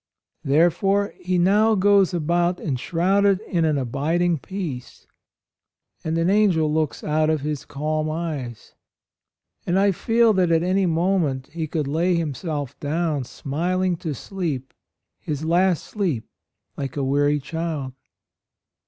Therefore he now goes about enshrouded in an abiding peace, and an angel looks out of his calm eyes ; and I feel that at any moment he could lay him self down smiling to sleep his 126 A ROYAL SON last sleep like a weary child.